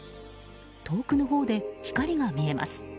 遠くのほうで光が見えます。